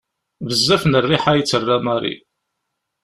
Bezzaf n rriḥa i d-terra Marie.